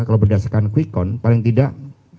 kalau berdasarkan kuikon paling tidak